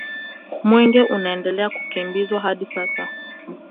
Mwenge unaendelea kukimbizwa hadi sasa